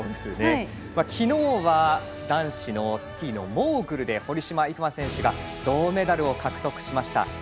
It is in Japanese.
昨日は男子のスキー・モーグルで堀島行真選手が銅メダルを獲得しました。